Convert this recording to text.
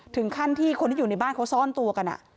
ถึงขั้นที่คนที่อยู่ในบ้านเขาซ่อนตัวกัน